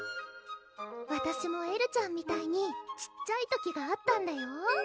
わたしもエルちゃんみたいに小っちゃい時があったんだよ